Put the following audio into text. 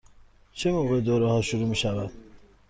چه موقع دوره ها شروع می شود؟